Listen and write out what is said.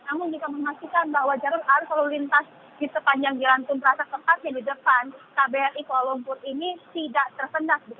namun juga memastikan bahwa jarum arus lalu lintas di sepanjang jiran tumpras dan kepas yang di depan kbri kuala lumpur ini tidak tersendat